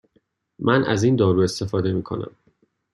من از این دارو استفاده می کنم.